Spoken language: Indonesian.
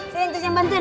sini cuci yang bantuin